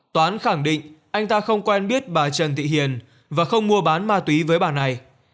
toán khẳng định anh ta không quen biết bà trần thị hiền và không mua bán ma túy với bà này